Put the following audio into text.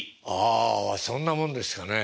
ああそんなもんですかね。